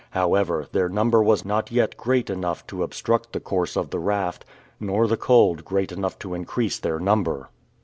However, their number was not yet great enough to obstruct the course of the raft, nor the cold great enough to increase their number.